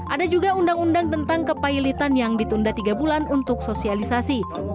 ada juga undang undang tentang kepailitan yang ditunda tiga bulan untuk sosialisasi